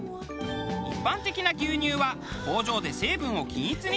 一般的な牛乳は工場で成分を均一に整えるが。